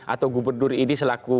atau gubernur ini selaku